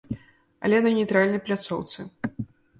Але на нейтральнай пляцоўцы.